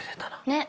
ねっ。